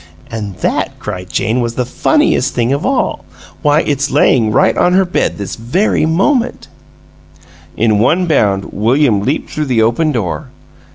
An' that," cried Jane "that's the funniest thing of all! Why, it's layin' right on her bed this very minute!" In one bound William leaped through the open door.